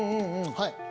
はい。